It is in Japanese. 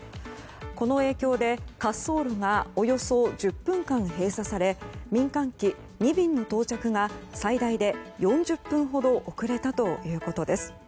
この影響で滑走路がおよそ１０分間閉鎖され民間機２便の到着が最大で４０分ほど遅れたということです。